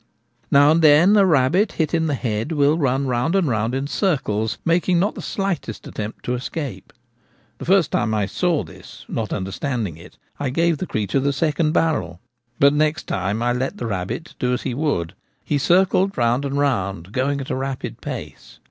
Now and then a rabbit hit in the head will run round and round in circles, making not the slightest attempt to escape. The first time I saw this, not understanding it, I gave the creature the second barrel ; but next time I let the rabbit do as he would. He circled round and round, going at a rapid pace.